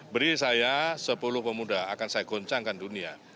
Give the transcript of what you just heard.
beri saya sepuluh pemuda akan saya goncangkan dunia